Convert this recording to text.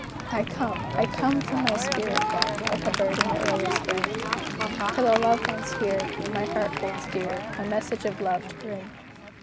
_ I come, I come from my spirit home, Like a bird in the early spring, To the loved ones here, whom my heart holds dear, A message of love to bring.